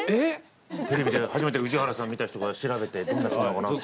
テレビで初めて宇治原さん見た人が調べてどんな人なのかなって。